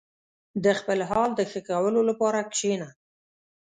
• د خپل حال د ښه کولو لپاره کښېنه.